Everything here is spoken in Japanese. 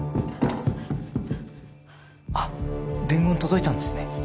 あっ伝言届いたんですね。